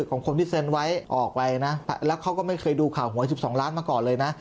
ของคนที่เซ็นไว้ออกไปนะแล้วเขาก็ไม่เคยดูข่าวหวย๑๒ล้านมาก่อนเลยนะ